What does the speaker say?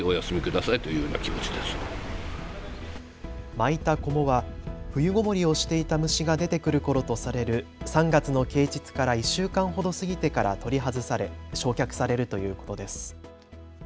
巻いたこもは冬ごもりをしていた虫が出てくるころとされる３月の啓ちつから１週間ほど過ぎてから取り外され焼却されるということです。